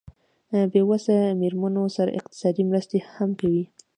بې وسه مېرمنو سره اقتصادي مرستې هم کوي.